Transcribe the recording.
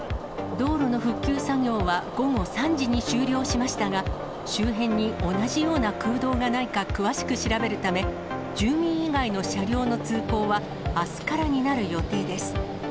道路の復旧作業は午後３時に終了しましたが、周辺に同じような空洞がないか詳しく調べるため、住民以外の車両の通行はあすからになる予定です。